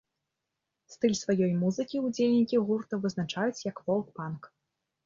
Стыль сваёй музыкі ўдзельнікі гурта вызначаюць як фолк-панк.